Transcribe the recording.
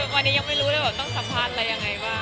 วันนี้ยังไม่รู้เลยว่าต้องสัมภาษณ์อะไรยังไงบ้าง